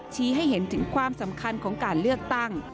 ให้เห็นถึงความสำคัญของการเลือกตั้ง